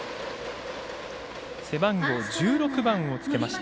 背番号１６番を着けました